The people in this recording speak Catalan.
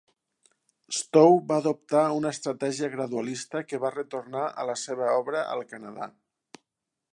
Stowe va adoptar una estratègia gradualista que va retornar a la seva obra al Canadà.